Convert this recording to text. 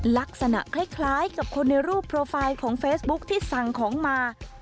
ลักษณะคล้ายกับคนในรูปโปรไฟล์ของเฟซบุ๊คที่สั่งของมา